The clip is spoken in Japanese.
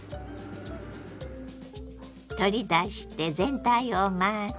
取り出して全体を混ぜ。